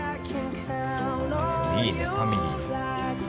いいねファミリー。